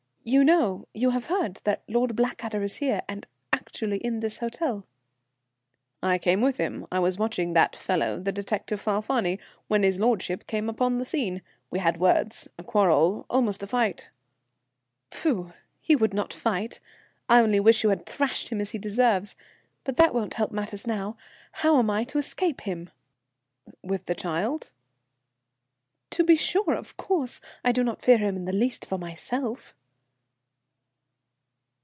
You know, you have heard, that Lord Blackadder is here, and actually in this hotel?" "I came with him. I was watching that fellow, the detective Falfani, when his lordship came upon the scene. We had words, a quarrel, almost a fight." "Pfu! He would not fight! I only wish you had thrashed him as he deserves. But that won't help matters now. How am I to escape him?" "With the child?" "To be sure. Of course, I do not fear him in the least for myself."